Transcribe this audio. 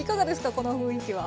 この雰囲気は。